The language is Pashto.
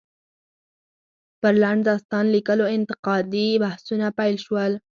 پر لنډ داستان ليکلو انتقادي بحثونه پيل شول.